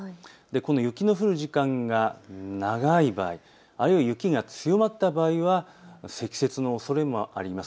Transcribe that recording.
雪の降る時間が長い場合、あるいは雪が強まった場合は積雪のおそれもあります。